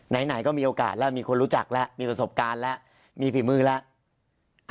ไหนก็มีโอกาสแล้วมีคนรู้จักแล้วมีประสบการณ์แล้วมีฝีมือแล้ว